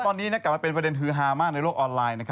ตอนนี้กลับมาเป็นประเด็นฮือฮามากในโลกออนไลน์